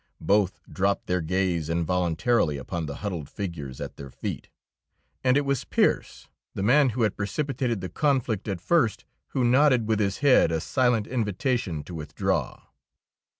Both dropped their gaze involuntarily upon the huddled figures at their feet; and it was Pearse, the man who had precipitated the conflict at first, who nodded with his head a silent invitation to withdraw.